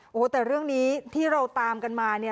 โอ้โหแต่เรื่องนี้ที่เราตามกันมาเนี่ย